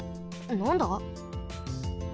なんだ？